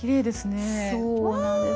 そうなんです。